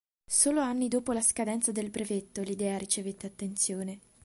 Solo anni dopo la scadenza del brevetto l'idea ricevette attenzione.